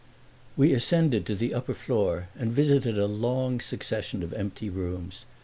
We ascended to the upper floor and visited a long succession of empty rooms.